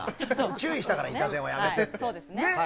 注意したからイタ電はやめてって。